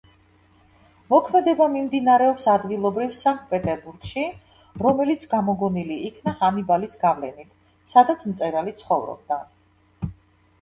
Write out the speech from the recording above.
მოქმედება მიმდინარეობს ადგილობრივ სანქტ-პეტერბურგში, რომელიც გამოგონილი იქნა ჰანიბალის გავლენით, სადაც მწერალი ცხოვრობდა.